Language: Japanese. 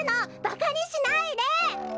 ばかにしないで！